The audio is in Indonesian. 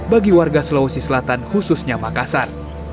bagi warga sulawesi selatan khususnya makassar